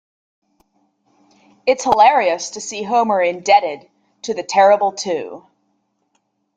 It's hilarious to see Homer indebted to the Terrible Two...